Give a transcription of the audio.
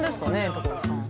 所さん。